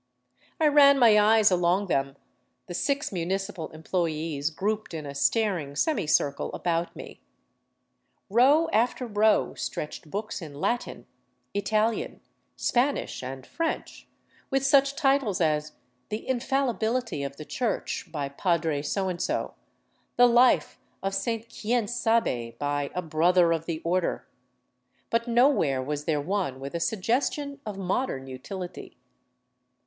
I ran my eyes along them, the six municipal employees grouped in a staring semicircle about me. Row after row stretched books in Latin, Italian, Spanish, and French, with such titles as, " The Infallibility of the Church," by Padre So and So, " The Life of Saint Quien Sabe," by " A Brother of the Order "; but nowhere was there one with a suggestion of modern utility.